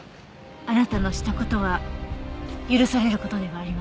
あなたのした事は許される事ではありません。